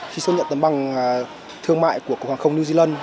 khi xuất nhận tấm bằng thương mại của quảng không new zealand